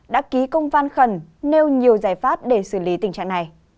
đã ký công văn khẩn nêu nhiều giải pháp để xử lý tình trạng này